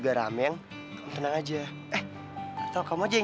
gimana tuh buja